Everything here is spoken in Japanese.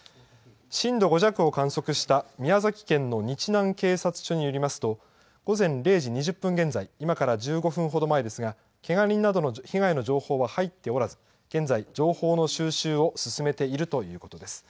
震度５弱を観測した宮崎県の日南警察署によりますと、午前０時２０分現在、今から１５分ほど前ですが、けが人などの被害の情報は入っておらず、現在、情報の収集を進めているということです。